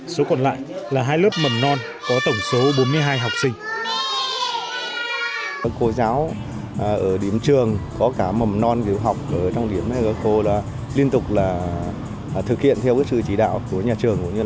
số còn lại là hai lớp mầm non có tổng số bốn mươi hai học sinh